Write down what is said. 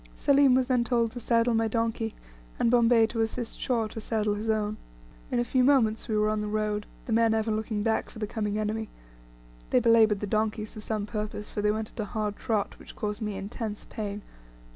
Selim was then told to saddle my donkey, and Bombay to assist Shaw to saddle his own. In a few moments we were on the road, the men ever looking back for the coming enemy; they belabored the donkeys to some purpose, for they went at a hard trot, which caused me intense pain.